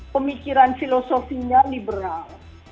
pemikiran filosofinya liberal